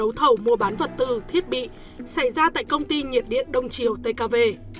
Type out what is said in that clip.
đấu thầu mua bán vật tư thiết bị xảy ra tại công ty nhiệt điện đông triều tkv